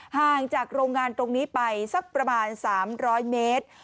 ห่างจากโรงงานตรงนี้ไปสักประมาณ๓๐๐เมตร